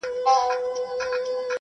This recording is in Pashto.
او په برخه یې ترمرګه پښېماني سي `